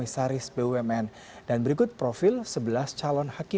sampai jumpa lagi